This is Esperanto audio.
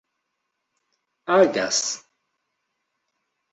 agas